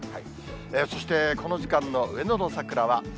そして、この時間の上野の桜は。